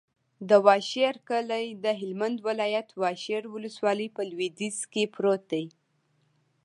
د واشر کلی د هلمند ولایت، واشر ولسوالي په لویدیځ کې پروت دی.